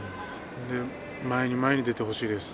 前に前に出てほしいです。